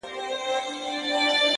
پر زود رنجۍ باندي مي داغ د دوزخونو وهم!